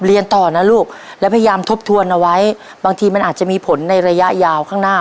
เรียนต่อนะลูกแล้วพยายามทบทวนเอาไว้บางทีมันอาจจะมีผลในระยะยาวข้างหน้า